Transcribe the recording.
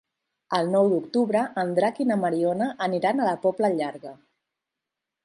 El nou d'octubre en Drac i na Mariona aniran a la Pobla Llarga.